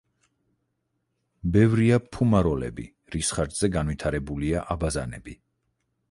ბევრია ფუმაროლები, რის ხარჯზე განვითარებულია აბაზანები.